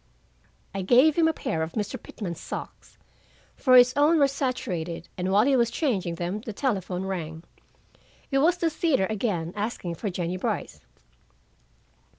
I gave him a pair of Mr. Pitman's socks, for his own were saturated, and while he was changing them the telephone rang. It was the theater again, asking for Jennie Brice.